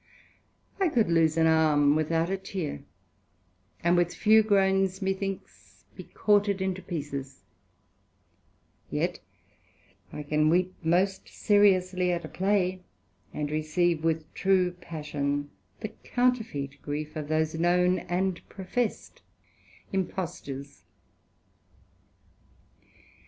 I could lose an arm without a tear, and with few groans, methinks, be quartered into pieces; yet can I weep most seriously at a Play, and receive with true passion, the counterfeit grief of those known and professed Impostures.